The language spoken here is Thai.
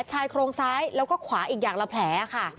ชายโครงซ้ายแล้วก็ขวาอีกอย่างละแผลค่ะ